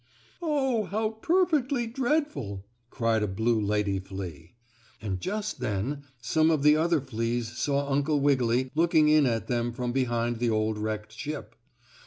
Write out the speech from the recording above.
"Oh, how perfectly dreadful!" cried a blue lady flea. And just then some of the other fleas saw Uncle Wiggily looking in at them from behind the old wrecked ship.